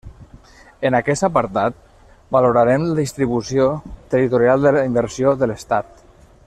En aquest apartat, valorarem la distribució territorial de la inversió de l'Estat.